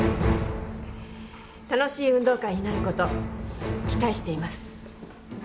楽しい運動会になること期待しています